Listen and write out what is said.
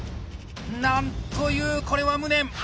なんというこれは無念。